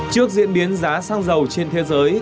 trước diễn biến giá xăng dầu trên thế giới